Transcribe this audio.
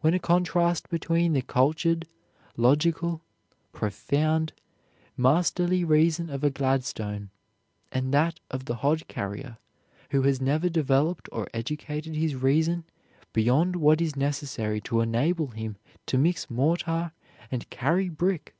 What a contrast between the cultured, logical, profound, masterly reason of a Gladstone and that of the hod carrier who has never developed or educated his reason beyond what is necessary to enable him to mix mortar and carry brick!